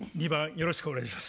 よろしくお願いします。